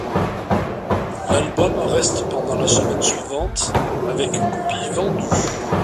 L'album reste pendant la semaine suivante, avec copies vendues.